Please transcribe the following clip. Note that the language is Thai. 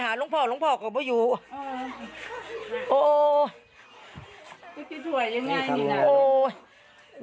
โหวนเป็นไงลูกโหวน